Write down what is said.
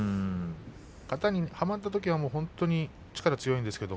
型にはまったときは本当に力が強いんですけれど。